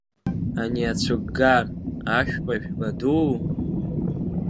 Ани ацәыггар, ашәпа-жәпа дуу?